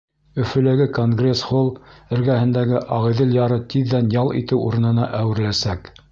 Өфөләге Конгресс-холл эргәһендәге Ағиҙел яры тиҙҙән ял итеү урынына әүереләсәк.